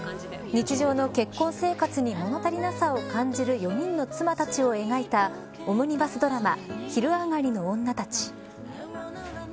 日常の結婚生活に物足りなさを感じる４人の妻たちを描いたオムニバスドラマ。